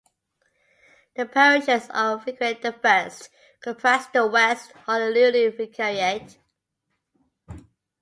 The parishes of Vicariate I comprise the West Honolulu Vicariate.